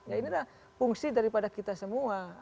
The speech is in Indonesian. ya ini adalah fungsi daripada kita semua